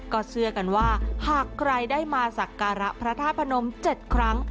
ก็เชื่อกันว่าหากใครได้มาสักการะพระธาตุพนม๗ครั้ง